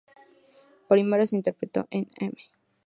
Primero se interpretó en "M!